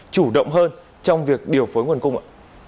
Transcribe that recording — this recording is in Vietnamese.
chủ động hơn trong việc điều phối nguồn cung ạ